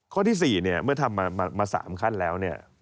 ข้อที่๔เนี่ยเมื่อทำมา๓ขั้นแล้วเนี่ย